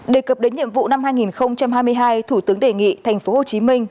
đề cập đến nhiệm vụ năm hai nghìn hai mươi hai thủ tướng đề nghị thành phố hồ chí minh